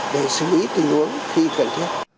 để xử lý tình huống